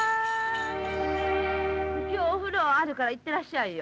きょう、お風呂あるから行ってらっしゃいよ。